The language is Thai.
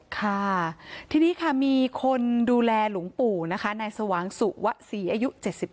ค่ะทีนี้ค่ะมีคนดูแลหลวงปู่นะคะนายสว่างสุวะศรีอายุ๗๒